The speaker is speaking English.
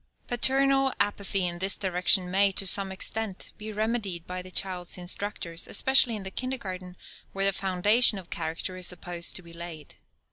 Paternal apathy in this direction may, to some extent, be remedied by the child's instructors, especially in the kindergarten, where the foundation of character is supposed to be laid.